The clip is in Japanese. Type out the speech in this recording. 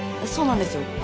そうなんですよ。